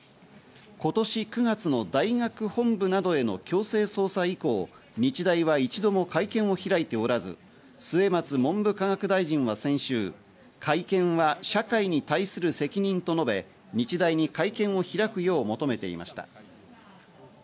今年９月の大学本部などへの強制捜査以降、日大は一度も会見を開いておらず、末松文部科学大臣は先週、会見は社会に対する責任と述べ、日大に会見を開くよう求めていました。